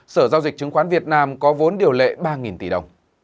sở giao dịch chứng khoán việt nam có vốn điều lệ ba tỷ đồng